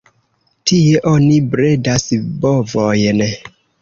Tie oni bredas bovojn.